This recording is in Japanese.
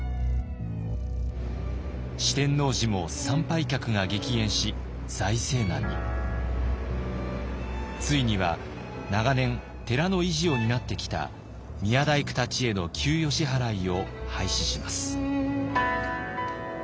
四天王寺もついには長年寺の維持を担ってきた宮大工たちへの給与支払いを廃止します。